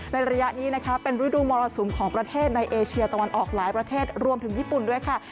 ระยะนี้นะคะเป็นฤดูมรสุมของประเทศในเอเชียตะวันออกหลายประเทศรวมถึงญี่ปุ่นด้วยค่ะ